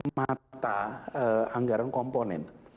mata anggaran komponen